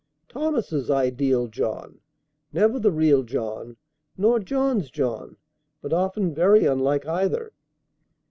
Thomas's ideal John; never the real John, nor { John's John, but often very unlike either.